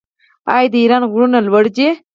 آیا د ایران غرونه لوړ نه دي؟